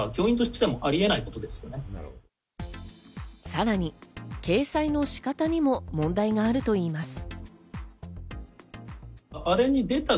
さらに掲載の仕方にも問題があるといいます。